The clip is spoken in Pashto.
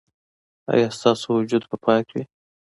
ایا ستاسو وجود به پاک وي؟